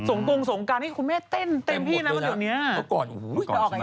ส่งกงส่งกันคุณแม่เต้นเต็มที่นะตอนนี้